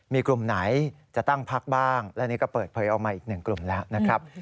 มีกลุ่มไหนจะตั้งพักบ้างและนี่ก็เปิดเผยออกมาอีกหนึ่งกลุ่มแล้วนะครับ